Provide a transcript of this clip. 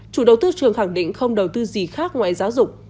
chủ đầu tư trường khẳng định không đầu tư gì khác ngoài giáo dục